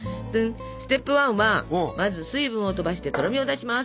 ステップ１はまず水分を飛ばしてとろみを出します。